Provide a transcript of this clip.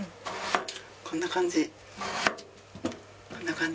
こんな感じ。